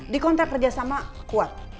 di kontrak kerjasama kuat